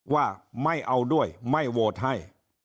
ว่าไม่เอาด้วยไม่โหวตให้